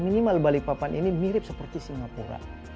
minimal balikpapan ini mirip seperti singapura